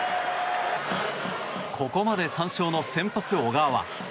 ここまで３勝の先発、小川は。